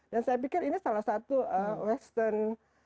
dan saya pikir ini salah satu western